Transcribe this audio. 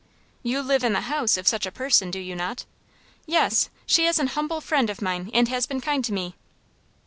"You live in the house of such a person, do you not?" "Yes, she is an humble friend of mine, and has been kind to me."